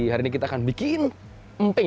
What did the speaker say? hari ini kita akan bikin emping